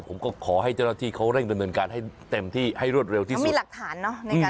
ผมก็ขอให้เจ้าหน้าที่เขาเร่งกันการน่บเต็มที่ให้รวดเร็วที่มีหลักฐานโน๊ตนะ